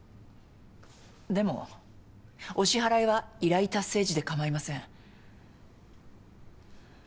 でもお支払いは依頼達成時でかまいません。